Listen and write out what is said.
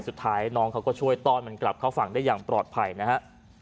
สุดท้ายน้องเขาก็ช่วยต้อนมันกลับเข้าฝั่งได้อย่างปลอดภัยนะฮะ